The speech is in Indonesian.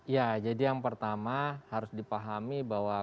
ya jadi yang pertama harus dipahami bahwa